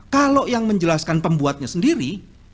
kalau yang menjelaskan pembuatnya sendiri